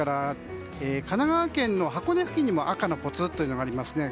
神奈川県の箱根付近にも赤のポツっていうのがありますね。